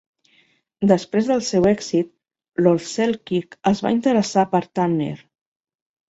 Després del seu èxit, Lord Selkirk es va interessar per Tanner.